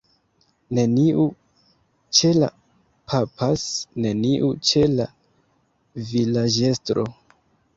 Neniu ĉe la _papas_, neniu ĉe la vilaĝestro.